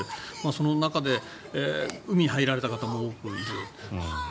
その中で海に入られた方も多くいる。